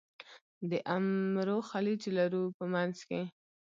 د عمرو خلیج لرو په منځ کې.